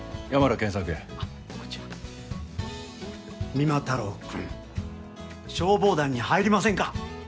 三馬太郎くん消防団に入りませんか？